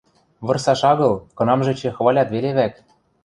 Вырсаш агыл, кынамжы эче хвалят веле вӓк.